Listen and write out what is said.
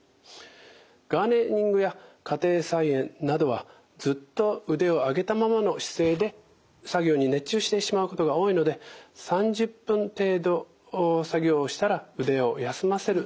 ガーデニングや家庭菜園などはずっと腕を上げたままの姿勢で作業に熱中してしまうことが多いので３０分程度作業をしたら腕を休ませるなど意識して作業をしましょう。